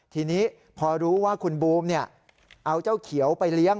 ทีนี้พอรู้ว่าคุณบูมเอาเจ้าเขียวไปเลี้ยง